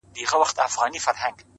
زلفي او باڼه اشــــــنـــــــــــا!